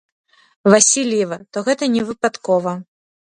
Васільева, то гэта не выпадкова.